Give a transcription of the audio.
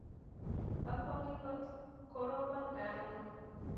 akwonge ngot korobon karon.